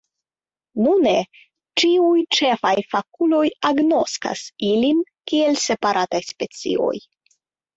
Nune ĉiuj ĉefaj fakuloj agnoskas ilin kiel separataj specioj.